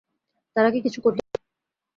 তাঁরা কি কিছু করতে পারবেন?